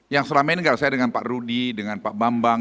yang selama ini saya dengan pak rudi dengan pak bambang